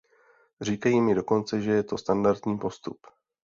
Říkají mi dokonce, že je to standardní postup.